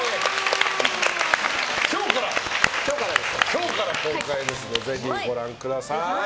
今日から公開ですのでぜひご覧ください。